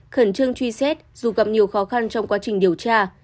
khẩn trương truy xét dù gặp nhiều khó khăn trong quá trình điều tra